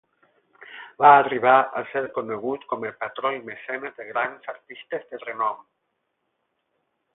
Va arribar a ser conegut com el patró i mecenes de grans artistes de renom.